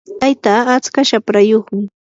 tayta atska shaprayuqmi.